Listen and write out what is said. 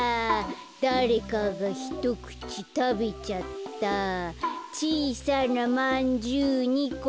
「だれかがひとくちたべちゃった」「ちいさなまんじゅう２このせて」